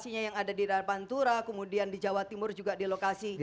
kondisinya yang ada di pantura kemudian di jawa timur juga di lokasi